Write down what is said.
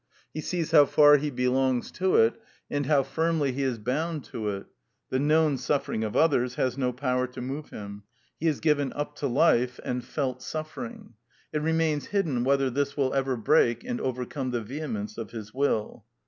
He sees how far he belongs to it, and how firmly he is bound to it; the known suffering of others has no power to move him; he is given up to life and felt suffering. It remains hidden whether this will ever break and overcome the vehemence of his will.